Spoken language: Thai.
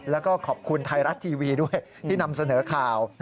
แล้วก็ขอบคุณไทยรัฐทีวีด้วยที่นำเสนอข่าว